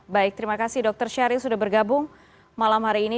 baik terima kasih dokter syaril sudah bergabung malam hari ini